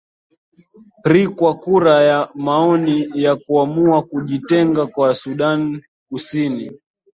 ri kwa kura ya maoni ya kuamua kujitenga kwa sudan kusini